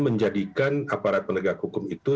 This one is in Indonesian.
menjadikan aparat penegak hukum itu